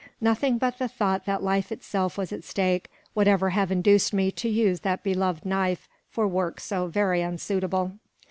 Nothing but the thought that life itself was at stake would ever have induced me to use that beloved knife for work so very unsuitable.